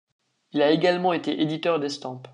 Il a également été éditeur d'estampes.